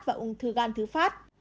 và ung thư gan thứ phát